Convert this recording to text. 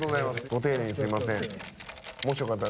ご丁寧にすいません。